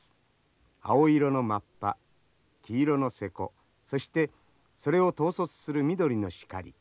青色のマッパ黄色の勢子そしてそれを統率する緑のシカリ。